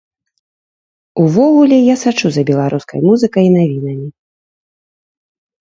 Увогуле я сачу за беларускай музыкай і навінамі.